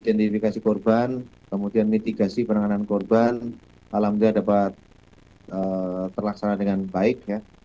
identifikasi korban kemudian mitigasi penanganan korban alhamdulillah dapat terlaksana dengan baik